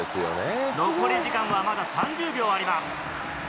残り時間はまだ３０秒あります。